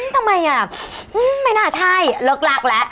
กลิ่นทำไมอ่ะไม่น่าใช่เลิกลักษณ์แล้ว